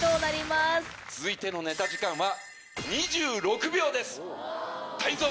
続いてのネタ時間は。